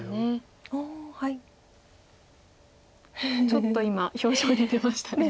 ちょっと今表情に出ましたね。